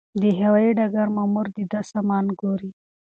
د هوايي ډګر مامور د ده سامان ګوري.